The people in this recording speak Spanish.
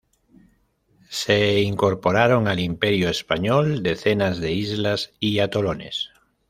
Se incorporaron al Imperio Español decenas de islas y atolones.